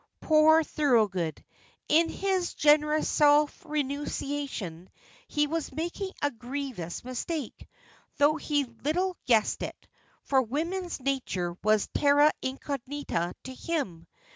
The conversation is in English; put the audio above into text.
Poor Thorold! In his generous self renunciation he was making a grievous mistake, though he little guessed it; for woman's nature was terra incognita to him.